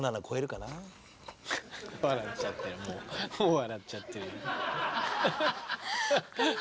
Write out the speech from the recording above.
笑っちゃってる。